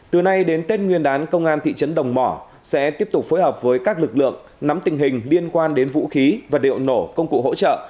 từ nay đến tết nguyên đán công an thị trấn đồng mỏ sẽ tiếp tục phối hợp với các lực lượng nắm tình hình liên quan đến vũ khí và liệu nổ công cụ hỗ trợ